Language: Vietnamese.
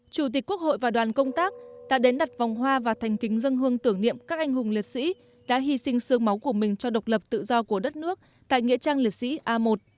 chủ tịch quốc hội và đoàn công tác đã đến đặt vòng hoa và thành kính dân hương tưởng niệm các anh hùng liệt sĩ đã hy sinh sương máu của mình cho độc lập tự do của đất nước tại nghĩa trang liệt sĩ a một